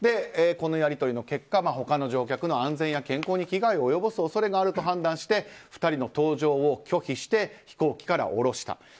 このやり取りの結果他の乗客の安全や健康に危害を及ぼす恐れがあると判断して２人の搭乗を拒否して飛行機から降ろした。